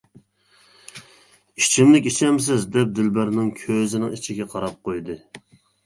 «ئىچىملىك ئىچەمسىز» دەپ دىلبەرنىڭ كۆزىنىڭ ئىچىگە قاراپ قويدى.